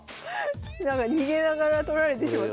逃げながら取られてしまった。